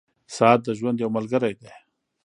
• ساعت د ژوند یو ملګری دی.